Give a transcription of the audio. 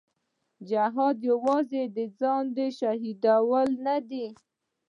جهاد یوازې د ځان شهیدول نه دي.